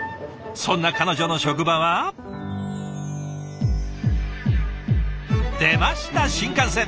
そんな彼女の職場は。出ました新幹線！